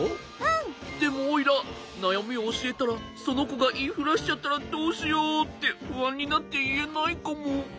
でもおいらなやみをおしえたらそのこがいいふらしちゃったらどうしようってふあんになっていえないかも。